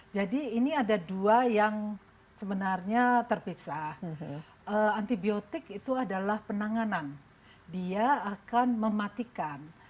jadi ini ada dua yang sebenarnya terpisah antibiotik itu adalah penanganan dia akan mematikan